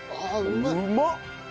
うまっ！